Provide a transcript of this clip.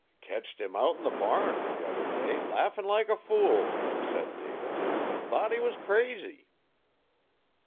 'Ketched him out 'n the barn t'other day laffin' like a fool,' said David. 'Thought he was crazy.'